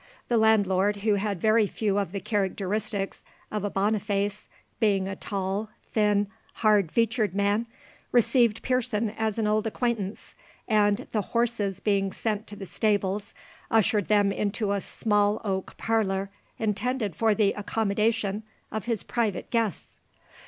The landlord, who had very few of the characteristics of a Boniface, being a tall, thin, hard featured man, received Pearson as an old acquaintance, and, the horses being sent to the stables, ushered them into a small oak parlour, intended for the accommodation of his private guests.